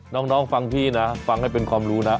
น้องฟังพี่นะฟังให้เป็นความรู้นะ